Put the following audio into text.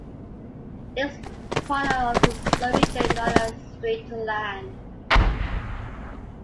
It is part of the subregion known as Streatorland.